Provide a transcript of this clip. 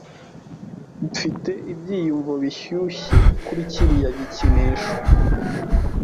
Mfite ibyiyumvo bishyushye kuri kiriya gikinisho.